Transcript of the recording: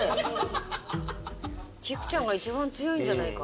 菊ちゃんが一番強いんじゃないか？